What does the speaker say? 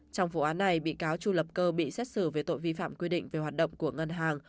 trong vụ án này bị cáo chu lập cơ bị xét xử về tội vi phạm quy định về hoạt động của ngân hàng